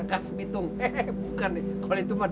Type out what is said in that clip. gue wawaku di depan yang lepas